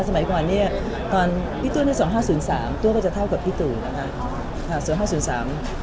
สมัยก่อนพี่ตัวใน๒๕๐๓ตัวก็จะเท่ากับพี่ตุ๋นะคะ